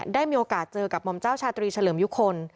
ได้มีโอกาสเจอกับหม่อมเจ้าชาตรีเฉลิมยุคล